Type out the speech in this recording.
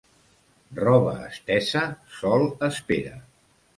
Roba estesa, sol espera.